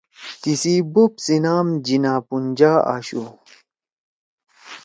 تیِسی بوپ سی نام جناح پونجا آشُو